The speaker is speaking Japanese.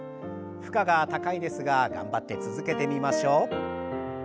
負荷が高いですが頑張って続けてみましょう。